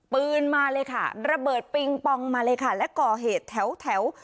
ปืนมาเลยค่ะระเบิดปิงปองมาเลยค่ะและก่อเหตุแถวแถว